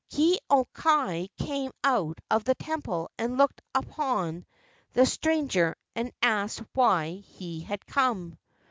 Ke au kai came out of the temple and looked upon the stranger and asked why he had come.